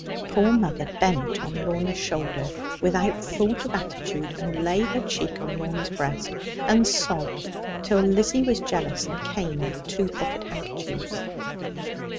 Poor mother bent on Lorna's shoulder, without thought of attitude, and laid her cheek on Lorna's breast, and sobbed till Lizzie was jealous, and came with two pocket handkerchiefs.